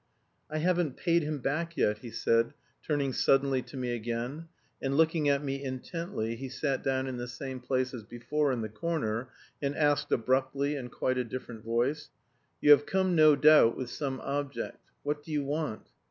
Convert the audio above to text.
"I haven't paid him back yet," he said, turning suddenly to me again, and looking at me intently he sat down in the same place as before in the corner, and asked abruptly, in quite a different voice: "You have come no doubt with some object. What do you want?"